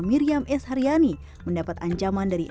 miriam s haryani mendapat ancaman dari